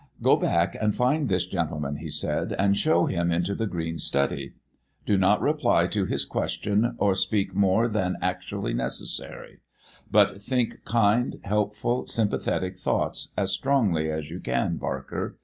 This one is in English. "Go back and find this gentleman," he said, "and show him into the green study. Do not reply to his question, or speak more than actually necessary; but think kind, helpful, sympathetic thoughts as strongly as you can, Barker.